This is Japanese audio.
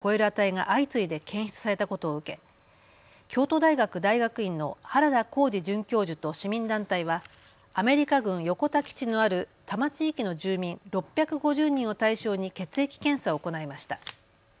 沖縄県のアメリカ軍基地周辺の河川や地下水などで国の暫定的な目標値を超える値が相次いで検出されたことを受け京都大学大学院の原田浩二准教授と市民団体はアメリカ軍横田基地のある多摩地域の住民６５０人を対象に血液検査を行いました。